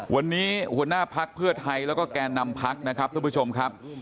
วันนี้หัวหน้าพักเพื่อไทยแล้วก็แก่นำพักนะครับท่านผู้ชมครับ